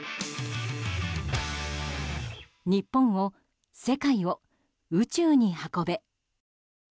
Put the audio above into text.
日本を、世界を、宇宙に運べ。